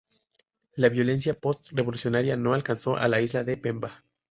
La violencia post-revolucionaria no alcanzó a la isla de Pemba.